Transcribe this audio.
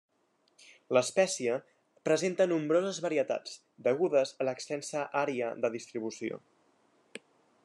L'espècie presenta nombroses varietats, degudes a l'extensa ària de distribució.